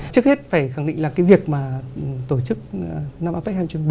trước hết phải khẳng định là cái việc mà tổ chức năm apec hai nghìn một mươi bốn